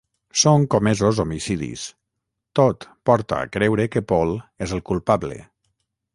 Són comesos homicidis: tot porta a creure que Paul és el culpable.